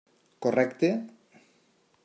Correcte?